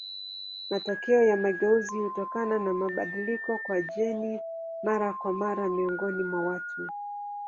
Matokeo ya mageuzi hutokana na mabadiliko kwa jeni mara kwa mara miongoni mwa watu.